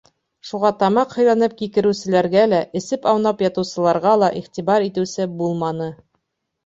Шуға тамаҡ һыйланып кикереүселәргә лә, эсеп, аунап ятыусыларға ла иғтибар итеүсе булманы.